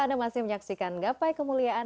anda masih menyaksikan gapai kemuliaan